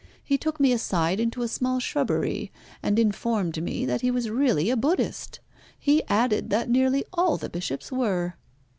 He took me aside into a small shrubbery, and informed me that he was really a Buddhist. He added that nearly all the Bishops were."